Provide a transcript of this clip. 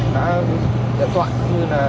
đã điện thoại cũng như là